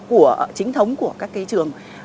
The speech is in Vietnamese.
của chính thống của các cái trường